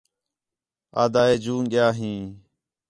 آہدا ہِے جوں ڳِیا ہیں